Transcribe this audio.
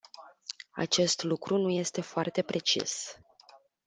Acest lucru nu este foarte precis.